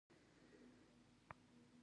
شیام او د هغه ځایناستو پولیس رامنځته کړل